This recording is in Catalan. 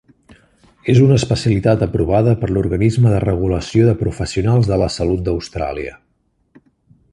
És una especialitat aprovada per l'organisme de regulació de professionals de la salut d'Austràlia.